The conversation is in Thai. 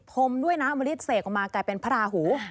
มด้วยนะอมริตเสกออกมากลายเป็นพระราหู